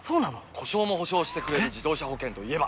故障も補償してくれる自動車保険といえば？